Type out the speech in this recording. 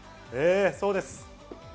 そうです。